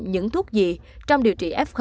những thuốc gì trong điều trị f